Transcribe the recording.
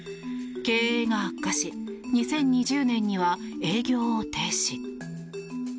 経営が悪化し２０２０年には営業を停止。